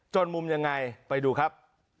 มุมยังไงไปดูครับ